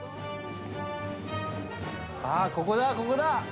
あっ、ここだ、ここだ！